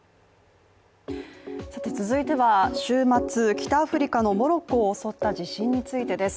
続いては週末、北アフリカのモロッコを襲った地震についてです。